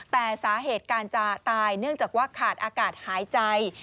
แต่สาเหตุการจะตายเนื่องจากว่าขาดอากาศหายใจ